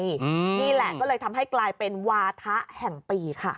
นี่แหละก็เลยทำให้กลายเป็นวาถะแห่งปีค่ะ